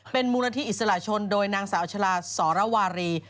เป็นมูลนิธิอิสระชนโดยนางสาวชะลาสรวารี